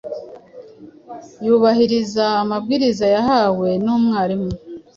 yubahiriza amabwiriza yahawe namwarimu